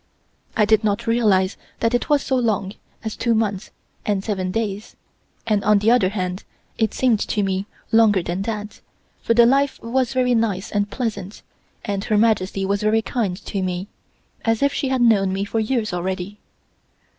I did not realize that it was so long as two months and seven days, and on the other hand it seemed to me longer than that, for the life was very nice and pleasant, and Her Majesty was very kind to me, as if she had known me for years already.